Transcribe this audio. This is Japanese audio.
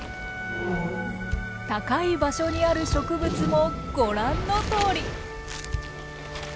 高い場所にある植物もご覧のとおり。